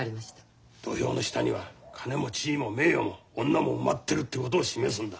土俵の下には金も地位も名誉も女も埋まってるってことを示すんだ。